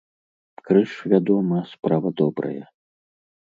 Крыж, вядома, справа добрая.